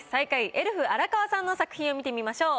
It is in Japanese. エルフ荒川さんの作品を見てみましょう。